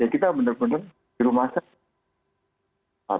kita benar benar di rumah sakit